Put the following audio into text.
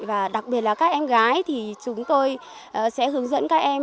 và đặc biệt là các em gái thì chúng tôi sẽ hướng dẫn các em